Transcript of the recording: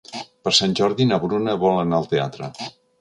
Per Sant Jordi na Bruna vol anar al teatre.